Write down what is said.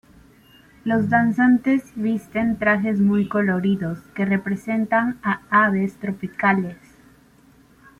Los danzantes visten trajes muy coloridos que representan a aves tropicales.